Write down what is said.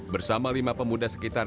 bersama lima pemuda sekitar